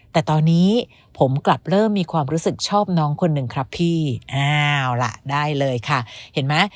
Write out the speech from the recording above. แต่ตอนนี้ผมกลับเริ่มมีความรู้สึกชอบน้องคนหนึ่งครับพี่อ้าวล่ะได้เลยค่ะเห็นไหม